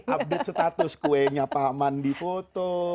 update status kuenya pak aman di foto